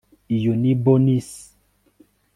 iyo ni bonus